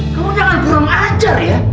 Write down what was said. kamu jangan burung ajar ya